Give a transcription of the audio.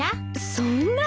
そんな。